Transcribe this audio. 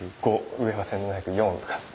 上は１，７０４とかって。